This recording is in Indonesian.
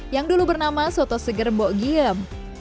yang dulu bernama soto seger mbok giem